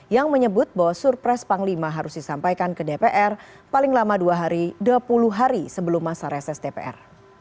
yang menyebut bahwa surpres panglima harus disampaikan ke dpr paling lama dua hari dua puluh hari sebelum masa reses dpr